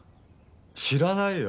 知らないよ。